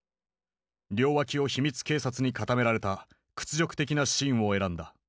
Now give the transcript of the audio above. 両脇を秘密警察に固められた屈辱的なシーンを選んだ。